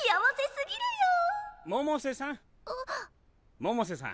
百瀬さん